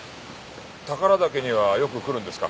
宝良岳にはよく来るんですか？